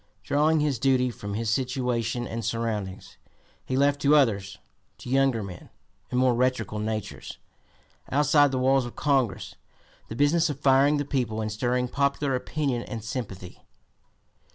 Drawing his duty from his situation and surroundings, he left to others, to younger men and more rhetorical natures, outside the walls of Congress, the business of firing the people and stirring popular opinion and sympathy.